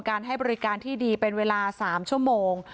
ให้บริการที่ดีเป็นเวลา๓ชั่วโมง